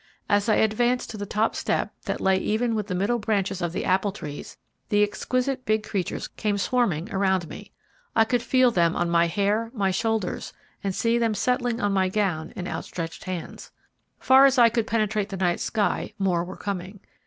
As I advanced to the top step, that lay even with the middle branches of the apple trees, the exquisite big creatures came swarming around me. I could feel them on my hair, my shoulders, and see them settling on my gown and outstretched hands. Far as I could penetrate the night sky more were coming.